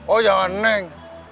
oh jangan neng